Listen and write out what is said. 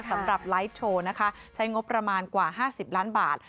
ไลฟ์โชว์นะคะใช้งบประมาณกว่า๕๐ล้านบาท